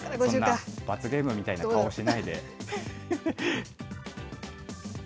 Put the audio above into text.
そんな罰ゲームみたいな顔しないで。